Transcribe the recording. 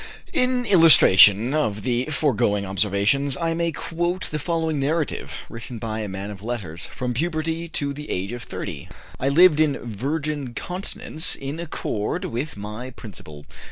In illustration of the foregoing observations, I may quote the following narrative, written by a man of letters: "From puberty to the age of 30 (when I married), I lived in virgin continence, in accord with my principle.